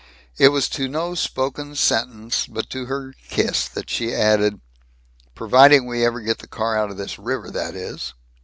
It was to no spoken sentence but to her kiss that she added, "Providing we ever get the car out of this river, that is!"